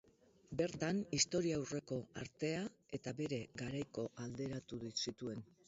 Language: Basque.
Bertan, historiaurreko artea eta bere garaikoa alderatu zituen.